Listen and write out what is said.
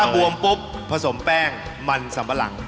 ถ้าบวมปุ๊บผสมแป้งมันสำหรัง